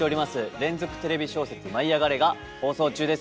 連続テレビ小説「舞いあがれ！」が放送中です。